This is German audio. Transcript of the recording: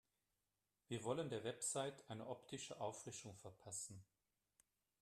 Wir wollen der Website eine optische Auffrischung verpassen.